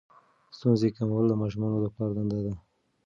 ستونزې کمول د ماشومانو د پلار دنده ده.